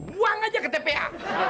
buang aja ke tpa